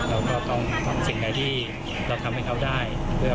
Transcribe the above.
เราก็ต้องทำสิ่งใดที่เราทำให้เขาได้